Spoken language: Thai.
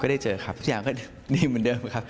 ก็ได้เจอครับทุกอย่างก็นิ่มเมืองเดิมครับ